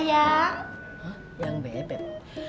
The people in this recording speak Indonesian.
hah yang beb beb